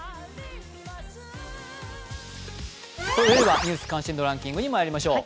「ニュース関心度ランキング」にまいりましょう。